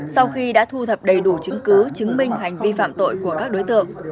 sau khi đã thu thập đầy đủ chứng cứ chứng minh hành vi phạm tội của các đối tượng